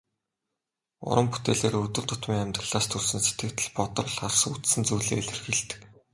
Уран бүтээлээрээ өдөр тутмын амьдралаас төрсөн сэтгэгдэл, бодрол, харсан үзсэн зүйлсээ илэрхийлдэг.